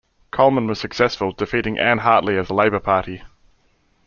Coleman was successful, defeating Ann Hartley of the Labour Party.